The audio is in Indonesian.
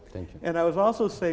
dan saya juga mengatakan